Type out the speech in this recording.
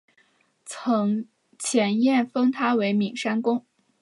前燕封他为岷山公。